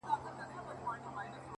ما بيا وليدی ځان څومره پېروز په سجده کي